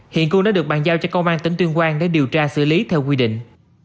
hiện cương đã được bàn giao cho công an tỉnh tuyên quang để điều tra xử lý theo quy định